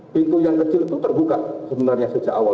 pintu yang kecil itu terbuka sebenarnya sejak awal